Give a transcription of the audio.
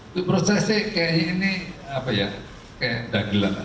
itu prosesnya kayaknya ini apa ya kayak dagilan aja gitu